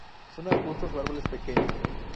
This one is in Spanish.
Son arbustos o árboles pequeños.